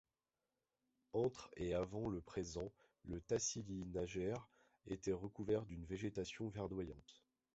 Entre et avant le présent, le tassili n'Ajjer était recouvert d'une végétation verdoyante.